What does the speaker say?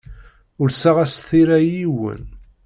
Ulseɣ-as tira i yiwen.